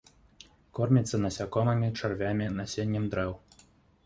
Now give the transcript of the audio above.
Корміцца насякомымі, чарвямі, насеннем дрэў.